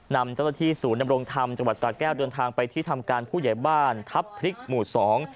นำเจ้าหน้าที่ศูนย์ดำรงธรรมจังหวัดสาแก้วเดินทางไปที่ทำการผู้ใหญ่บ้านทัพพริกหมู่สอง